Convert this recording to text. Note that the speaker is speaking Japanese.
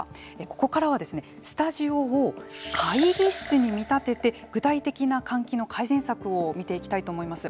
ここからはスタジオを会議室に見立てて具体的な換気の改善策を見ていきたいと思います。